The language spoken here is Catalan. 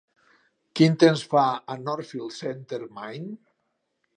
Quin temps fa a Northfield Center Maine